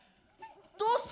どうして？